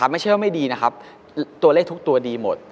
ไม่เชื่อว่าไม่ดีนะครับตัวเลขทุกตัวดีหมด